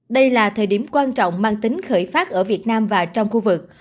đây là thời điểm quan trọng mang tính khởi phát ở việt nam và trong khu vực